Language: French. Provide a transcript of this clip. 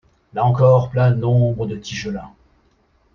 Là encore plane l'ombre de Tigellin.